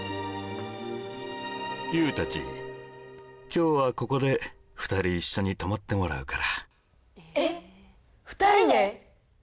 今日はここで２人一緒に泊まってもらうからえっ２人で？